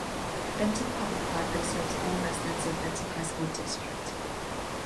Benton Public Library serves all residents of Benton High School District.